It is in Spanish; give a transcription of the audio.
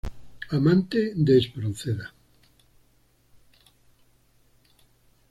Amante de Espronceda.